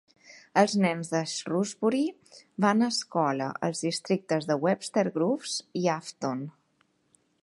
Els nens de Shrewsbury van a escola als districtes de Webster Groves i Affton.